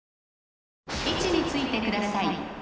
位置についてください